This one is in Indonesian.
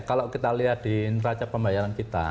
kalau kita lihat di neraca pembayaran kita